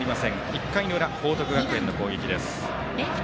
１回の裏、報徳学園の攻撃です。